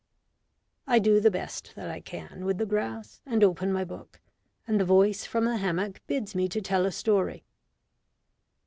I do the best that I can with the grass, and open my book, and the voice from the hammock bids me to tell a story.